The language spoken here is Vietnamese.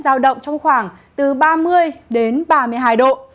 giao động trong khoảng từ ba mươi đến ba mươi hai độ